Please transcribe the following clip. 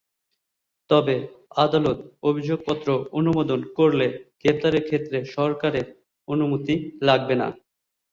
তবে আদালত অভিযোগপত্র অনুমোদন করলে গ্রেপ্তারের ক্ষেত্রে সরকারের অনুমতি লাগবে না।